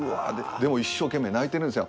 でも一生懸命泣いてるんですよ。